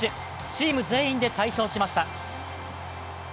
チーム全員で大勝しました。